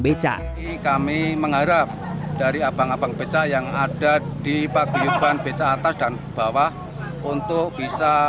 beca kami mengharap dari abang abang beca yang ada di paguyuban beca atas dan bawah untuk bisa